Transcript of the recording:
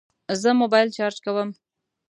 زه موبایل چارج کوم